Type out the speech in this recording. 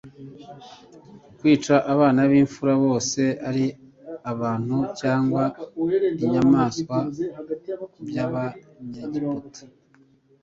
kwica abana b'imfura bose ari ab'abantu cyangwa inyamaswa by'Abanyegiputa